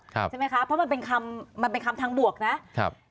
ใช่ไหมคะเพราะมันเป็นคำทางบวกนะ